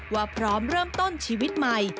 ว่าพร้อมเริ่มต้นชีวิตใหม่